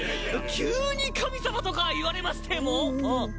急に神様とか言われましてもうん。